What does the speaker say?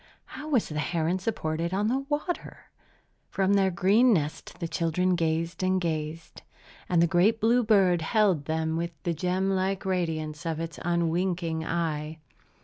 How was the heron supported on the water? From their green nest the children gazed and gazed; and the great blue bird held them with the gem like radiance of its unwinking eye.